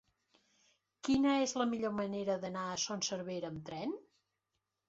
Quina és la millor manera d'anar a Son Servera amb tren?